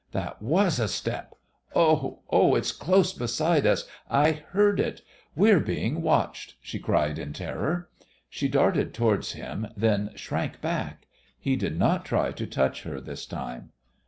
"That was a step. Oh, oh, it's close beside us. I heard it. We're being watched!" she cried in terror. She darted towards him, then shrank back. He did not try to touch her this time.